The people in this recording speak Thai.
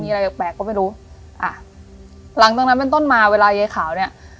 อะไรแปลกแปลกก็ไม่รู้อ่าหลังจากนั้นเป็นต้นมาเวลายายขาวเนี้ย